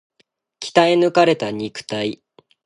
鍛え抜かれた肉体